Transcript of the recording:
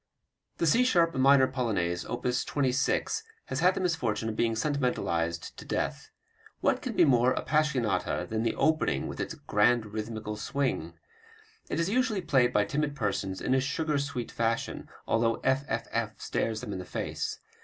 The C sharp minor Polonaise, op. 26, has had the misfortune of being sentimentalized to death. What can be more "appassionata" than the opening with its "grand rhythmical swing"? It is usually played by timid persons in a sugar sweet fashion, although fff stares them in the face.